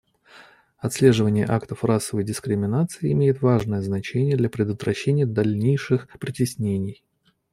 Отслеживание актов расовой дискриминации имеет важное значение для предотвращения дальнейших притеснений.